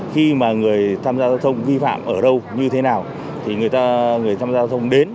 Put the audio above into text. khi mà người tham gia giao thông vi phạm ở đâu như thế nào thì người ta người tham gia giao thông đến